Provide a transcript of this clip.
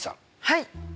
はい。